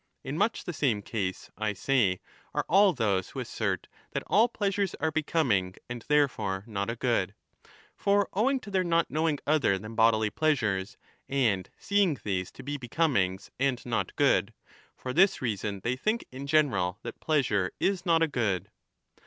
In much the same case, I say, are all those who assert that all pleasures are becoming, and therefore not a good. For owing to their not knowing other than bodily pleasures, and seeing these to be becom ings and not good, for this reason they think in general that 20 pleasure is not a good.